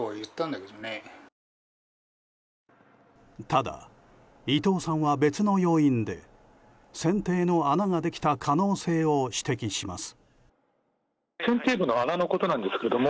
ただ、伊藤さんは別の要因で船底の穴ができた可能性を指摘します。